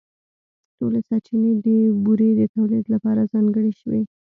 ټولې سرچینې د بورې د تولیدً لپاره ځانګړې شوې.